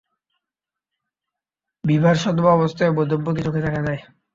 বিভার সধবা অবস্থায় বৈধব্য কি চোখে দেখা যায়?